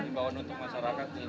imbauan untuk masyarakat